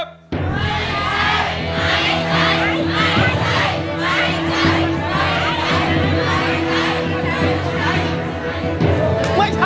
เพลงนี้สี่หมื่นบาทเอามาดูกันนะครับ